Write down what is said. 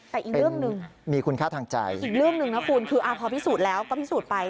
แต่อีกเรื่องหนึ่งอีกเรื่องหนึ่งนะคุณคือพอพิสูจน์แล้วก็พิสูจน์ไป